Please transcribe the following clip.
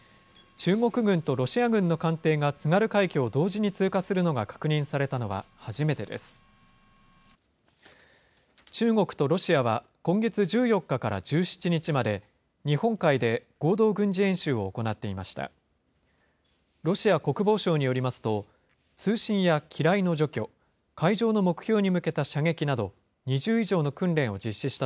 中国とロシアは今月１４日から１７日まで、日本海で合同軍事演習を行っていました。